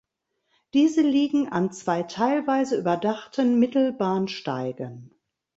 Diese liegen an zwei teilweise überdachten Mittelbahnsteigen.